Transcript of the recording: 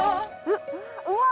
うわ！